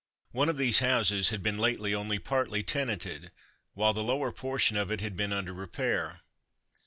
One of these houses had been lately only partly tenanted, while the lower portion of it had been under repair.